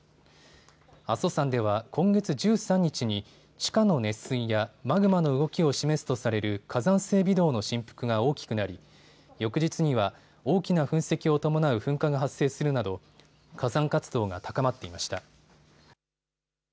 阿蘇山では今月１３日に地下の熱水やマグマの動きを示すとされる火山性微動の振幅が大きくなり翌日には大きな噴石を伴う噴火が発生するなど火山活動が高まっていました。